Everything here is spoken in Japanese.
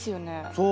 そう。